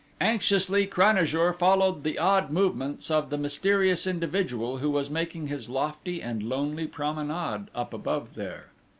Anxiously Cranajour followed the odd movements of the mysterious individual who was making his lofty and lonely promenade up above there.